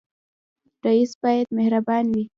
رئیس باید مهربان وي